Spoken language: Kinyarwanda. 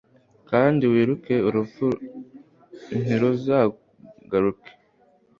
Kandi wirukane Urupfu ntiruzagaruke